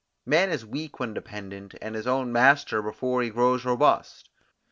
Man is weak when dependent, and his own master before he grows robust.